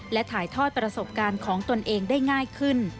และถ่ายทอดประสบการณ์ของตนเองได้ง่ายขึ้น